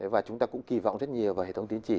và chúng ta cũng kỳ vọng rất nhiều về hệ thống tiến chỉ